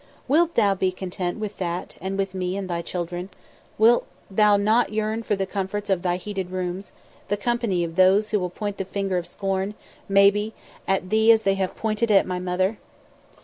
"Wilt thou be content with that, and with me and thy children? Wilt thou not yearn for the comforts of thy heated rooms, the company of those who will point the finger of scorn, maybe, at thee as they have pointed it at my mother?"